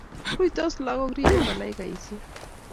Ruitos lagok ribei malaikaisiek